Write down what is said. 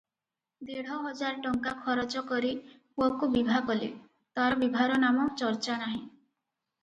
ଦେଢ଼ ହଜାର ଟଙ୍କା ଖରଚ କରି ପୁଅକୁ ବିଭା କଲେ, ତାର ବିଭାର ନାମ ଚର୍ଚ୍ଚା ନାହିଁ ।